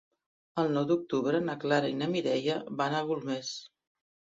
El nou d'octubre na Clara i na Mireia van a Golmés.